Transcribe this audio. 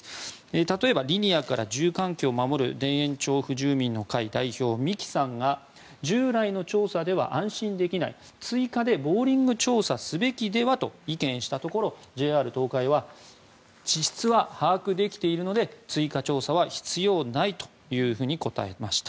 例えば、リニアから住環境を守る田園調布住民の会代表の三木さんが従来の調査では安心できない追加でボーリング調査すべきではと意見したところ、ＪＲ東海は地質は把握できているので追加調査は必要ないというふうに答えました。